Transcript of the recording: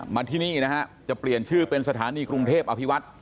มาที่นี่นะฮะจะเปลี่ยนชื่อเป็นสถานีกรุงเทพอภิวัตร